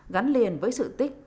gắn liền với sự tích